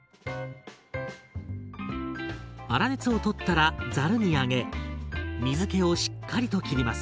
粗熱を取ったらざるに上げ水けをしっかりと切ります。